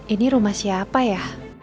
ini rumah siapa ya